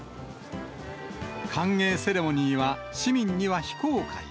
歓迎セレモニーは、市民には非公開。